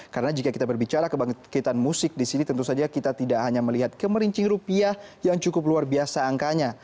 karena jika kita berbicara kebangkitan musik di sini tentu saja kita tidak hanya melihat kemerinci rupiah yang cukup luar biasa angkanya